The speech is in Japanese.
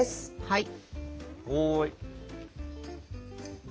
はい。